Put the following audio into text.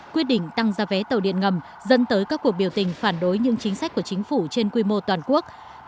quyết định tăng giá vé tàu điện ngầm dẫn tới các cuộc biểu tình phản đối những chính sách của chính phủ trên quy mô toàn quốc